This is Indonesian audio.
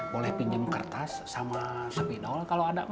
boleh pinjem kertas sama sepidol kalau ada pak